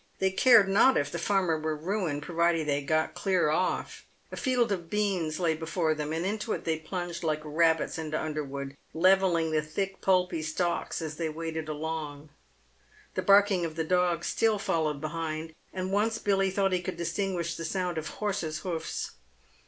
They cared not if the farmer were ruined provided they got clear off. A field of beans lay before them, and into it they plunged like rabbits into underwood, levelling the thick, pulpy stalks as they waded along. The barking of the dog still followed behind, and once Billy thought he could distinguish the sound of horses' hoofs.